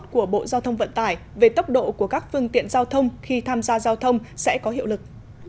của bộ giao thông vận tải về tốc độ của các phương tiện giao thông khi tham gia giao thông sẽ có hiệu lực